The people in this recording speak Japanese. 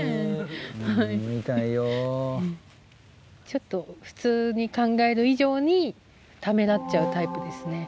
ちょっと普通に考える以上にためらっちゃうタイプですね。